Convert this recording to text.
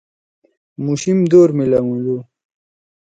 مُوشیم دور می لھنگوُدُو۔